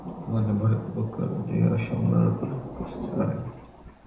মন ভরে উপভোগ করবে দুই অসম লড়াকুর কুস্তিলড়াই।